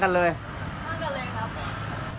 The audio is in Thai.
จะไข่ทีนี้ลิ้วกันก่อน